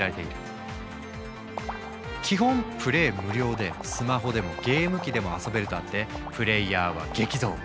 無料でスマホでもゲーム機でも遊べるとあってプレイヤーは激増。